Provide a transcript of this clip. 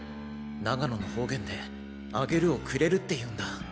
長野の方言で「あげる」を「くれる」って言うんだ。